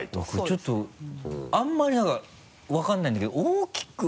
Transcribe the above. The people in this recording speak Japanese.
ちょっとあんまりなんか分からないんだけど大きく。